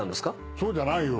そうじゃないよ。